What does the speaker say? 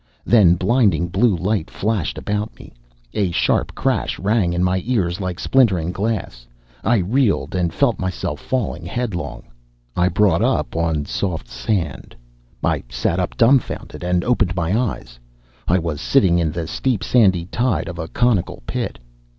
Then blinding blue light flashed about me. A sharp crash rang in my ears, like splintering glass. I reeled, and felt myself falling headlong. I brought up on soft sand. I sat up, dumbfounded, and opened my eyes. I was sitting on the steep sandy side of a conical pit.